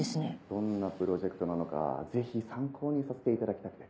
どんなプロジェクトなのかぜひ参考にさせていただきたくて。